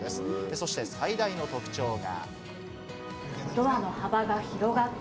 そして最大の特徴が。